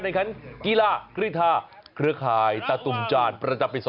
ในขั้นกีฬากฤทธาเกรือคลายทัตุมจานประจำบิสฯ